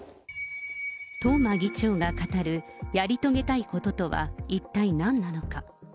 東間議長が語る、やり遂げたいこととは一体何なのか。